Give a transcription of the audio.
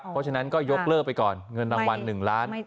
เพราะฉะนั้นก็ยกเลิกไปก่อนเงินรางวัล๑ล้าน